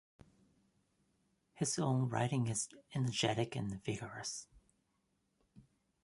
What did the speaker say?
His own writing is energetic and vigorous.